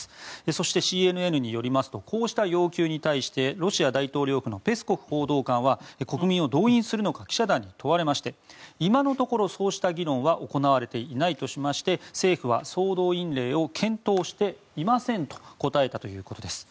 そしてＣＮＮによりますとこうした要求に対してロシア大統領府のペスコフ報道官は国民を動員するのか記者団に問われまして今のところそうした議論は行われていないとしまして政府は総動員令を検討していませんと答えたということです。